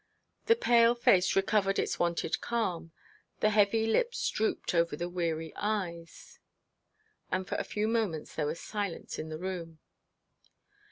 The pale face recovered its wonted calm, the heavy lips drooped over the weary eyes, and for a few moments there was silence in the room.